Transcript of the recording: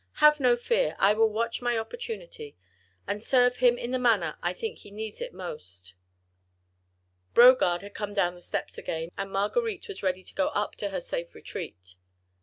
Have no fear, I will watch my opportunity, and serve him in the manner I think he needs it most." Brogard had come down the steps again, and Marguerite was ready to go up to her safe retreat.